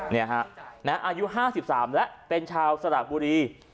นี่ฮะอายุ๕๓แล้วเป็นชาวสลากบุรี